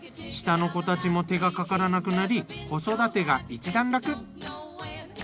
下の子たちも手がかからなくなり子育てが一段落。